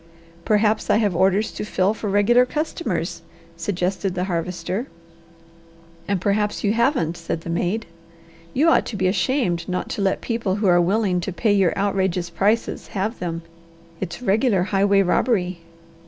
"Perhaps I have orders to fill for regular customers," suggested the Harvester. "And perhaps you haven't," said the maid. "You ought to be ashamed not to let people who are willing to pay your outrageous prices have them. It's regular highway robbery."